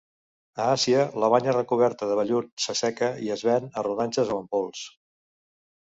A Àsia la banya recoberta de vellut s'asseca i es ven a rodanxes o en pols.